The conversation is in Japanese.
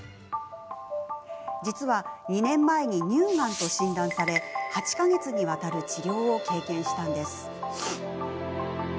実は２年前に乳がんと診断され８か月にわたる治療を経験したんです。